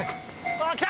ああ来た！